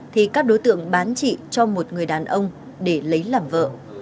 thì các đối tượng bán chị cho một người đàn ông để lấy làm vợ